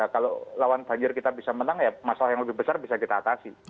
kalau lawan banjir kita bisa menang ya masalah yang lebih besar bisa kita atasi